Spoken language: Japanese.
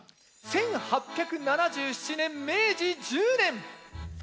１８７７年明治１０年。